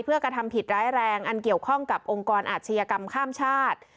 เพื่อกระทำผิดร้ายแรงอันเกี่ยวข้องกับองค์กรอาชญากรรมข้ามชาติ